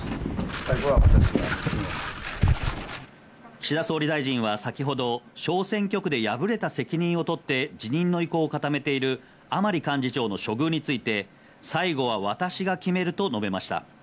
岸田総理大臣は先ほど小選挙区で敗れた責任を取って辞任の意向を固めている甘利幹事長の処遇について、最後は私が決めると述べました。